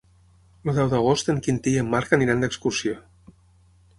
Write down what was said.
El deu d'agost en Quintí i en Marc aniran d'excursió.